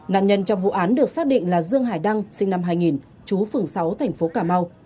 nạn nhân trong vụ án được xác định là dương hải đăng sinh năm hai nghìn chú phường sáu thành phố cà mau